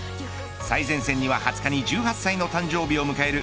最前線には２０日２８歳の誕生日を迎える。